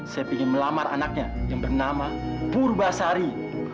saya ingin melamar anaknya yang bernama purbasari